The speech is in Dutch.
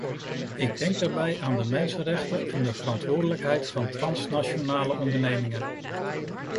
Ik denk daarbij aan de mensenrechten en de verantwoordelijkheid van transnationale ondernemingen.